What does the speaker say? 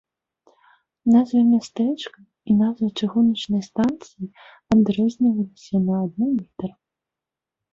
Назва мястэчка і назва чыгуначнай станцыі адрозніваліся на адну літару.